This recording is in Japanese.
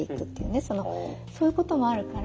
そういうこともあるから。